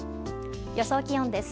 予想気温です。